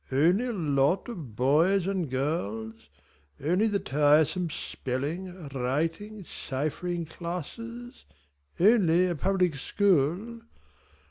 Only a lot of boys and girls? Only the tiresome spelling, writing, ciphering classes? Only a public school?